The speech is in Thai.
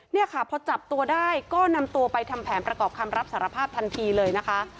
เนี่ยค่ะพอจับตัวได้ก็นำตัวไปทำแผนประกอบคำรับสารภาพทันทีเลยนะคะ